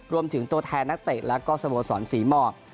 รวมถึงตัวแทนนักเตะแล้วก็สโมสรศรีหมอก